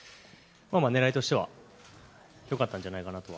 狙いとしては良かったんじゃないかなと